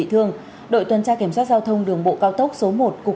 hẹn gặp lại các bạn trong những video tiếp theo